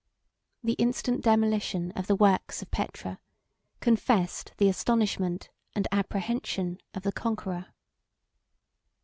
The instant demolition of the works of Petra confessed the astonishment and apprehension of the conqueror.